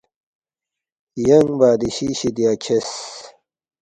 ینگ بادشی شِدیا کھیرس